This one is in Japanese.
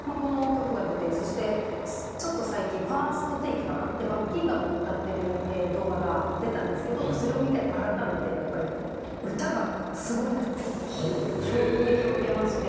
最近「ＦＩＲＳＴＴＡＫＥ」かな『バッキンガム』を歌ってる動画が出たんですけどそれを見て改めてやっぱり歌がすごいなと衝撃を受けまして。